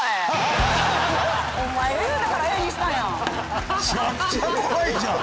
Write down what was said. お前が言うたからＡにしたやん！